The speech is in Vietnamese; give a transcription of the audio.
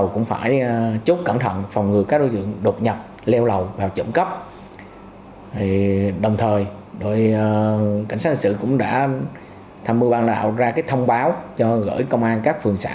cảnh sát hành sự cũng đã tham mưu bàn đạo ra thông báo cho gửi công an các phường xã